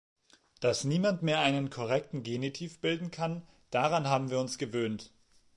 Dass niemand mehr einen korrekten Genitiv bilden kann, daran haben wir uns gewöhnt.